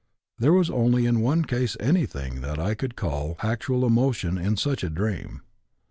There was only in one case anything that I could call actual emotion in such a dream.